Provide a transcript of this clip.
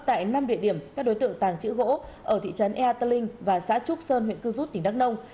tại năm địa điểm các đối tượng tàng trữ gỗ ở thị trấn ea tờ linh và xã trúc sơn huyện cư rút tỉnh đắk nông